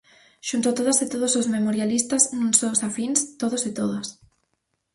Xunto a todas e todos os memorialistas, non só os afíns, todos e todas.